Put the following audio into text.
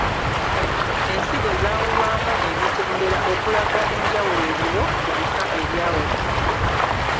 Ensigo zaawulwamu emitendera okulaga enjawulo eriwo ku bika ebyawufu.